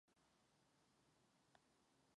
S manželkou Janou má dvě děti.